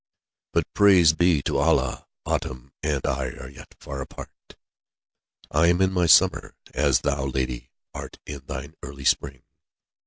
But praise be to Allah, autumn and I are yet far apart. I am in my summer, as thou, lady, art in thine early spring.